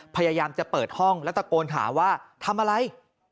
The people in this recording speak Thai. พยายามจะเปิดห้องแล้วตะโกนถามว่าทำอะไร